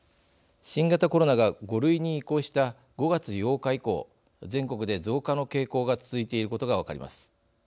新型コロナが５類に移行した５月８日以降全国で増加の傾向が続いていることが分かります。